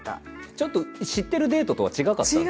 ちょっと知ってるデートとは違かったんですか？